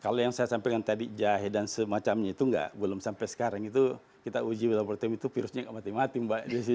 kalau yang saya sampaikan tadi jahe dan semacamnya itu belum sampai sekarang itu kita uji laboratorium itu virusnya gak mati mati mbak desi